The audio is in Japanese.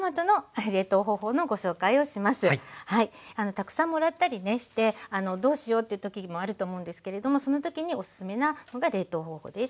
たくさんもらったりねしてどうしようっていう時もあると思うんですけれどもその時におすすめなのが冷凍方法です。